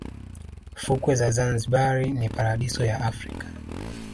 fukwe za zanzibar ni paradiso ya africa